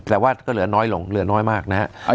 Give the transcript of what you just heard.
แต่ว่าก็เหลือน้อยลงเหลือน้อยมากนะครับ